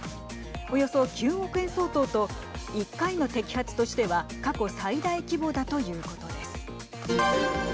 およそ９億円相当と１回の摘発としては過去最大規模だということです。